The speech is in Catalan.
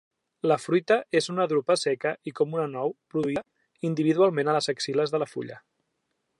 La fruita és una drupa seca i com una anou, produïda individualment a les axil·les de la fulla.